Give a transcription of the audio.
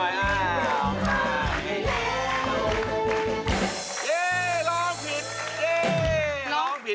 เย่